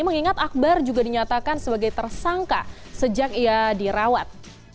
mengingat akbar juga dinyatakan sebagai tersangka sejak ia dirawat